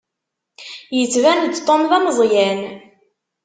Yettban-d Tom d ameẓẓyan.